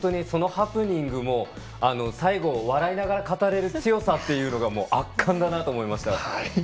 そのハプニングも最後、笑いながら語れる強さというのが圧巻だなと思いました。